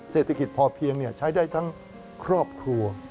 เศรษฐกิจพอเพียงใช้ได้ทั้งครอบครัว